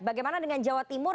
bagaimana dengan jawa timur